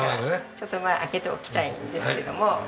ちょっとまあ空けておきたいんですけども。